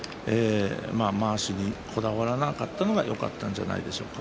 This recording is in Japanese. まわしにこだわらなかったのがよかったんじゃないでしょうか。